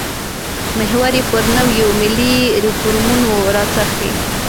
محور یې پر نویو ملي ریفورمونو راڅرخي.